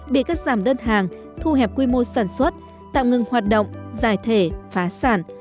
bị cất giảm đơn hàng thu hẹp quy mô sản xuất tạm ngưng hoạt động giải thể phá sản